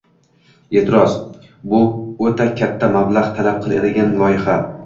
E’tiroz: «Bu o‘ta katta mablag‘ talab qiladigan loyiha».